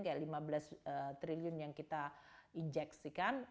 kalau dia punya lima belas trillion yang kita injeksi kan